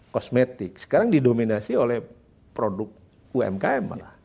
kosmetik sekarang didominasi oleh produk umkm malah